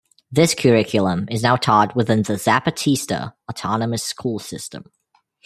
This curriculum is now taught within the Zapatista autonomous school system.